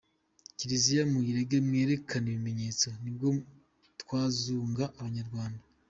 Kiliziya muyirege mwerekane ibimenyetso nibwo twazunga abanyarwanda.